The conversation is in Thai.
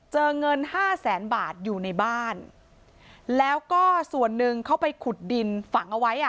เงินห้าแสนบาทอยู่ในบ้านแล้วก็ส่วนหนึ่งเขาไปขุดดินฝังเอาไว้อ่ะ